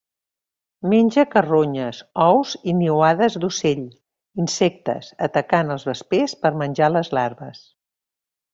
Menja carronyes, ous i niuades d'ocell, insectes, atacant els vespers per menjar les larves.